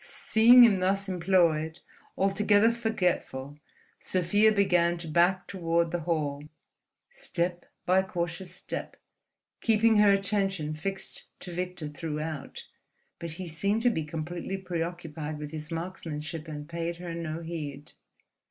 Seeing him thus employed, altogether forgetful, Sofia began to back toward the hall, step by cautious step, keeping her attention fixed to Victor throughout. But he seemed to be completely preoccupied with his markmanship, and paid her no heed.